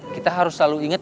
kita harus selalu inget